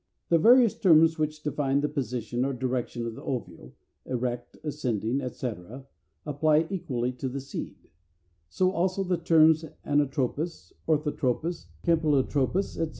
The various terms which define the position or direction of the ovule (erect, ascending, etc.) apply equally to the seed: so also the terms anatropous, orthotropous, campylotropous, etc.